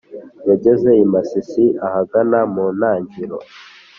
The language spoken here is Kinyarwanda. yageze masisi ahagana muntangiro